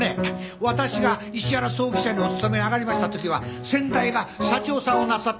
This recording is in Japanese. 私が石原葬儀社にお勤めに上がりましたときは先代が社長さんをなさっておられましたんです。